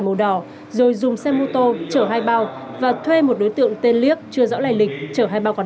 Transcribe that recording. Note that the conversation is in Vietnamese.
màu đỏ rồi dùng xe mô tô chở hai bao và thuê một đối tượng tên liếc chưa rõ lệ lịch chở hai bao con